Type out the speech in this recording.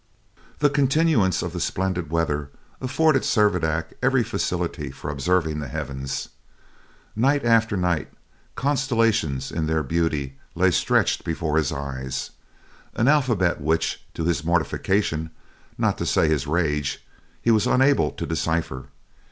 The continuance of the splendid weather afforded Servadac every facility for observing the heavens. Night after night, constellations in their beauty lay stretched before his eyes an alphabet which, to his mortification, not to say his rage, he was unable to decipher.